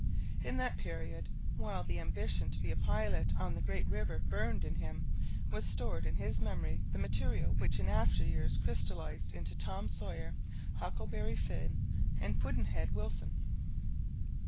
In that period, while the ambition to be a pilot on the great river burned in him, was stored in his memory the material which in after years crystallized into "Tom Sawyer," "Huckleberry Finn," and "Pudd'nhead Wilson."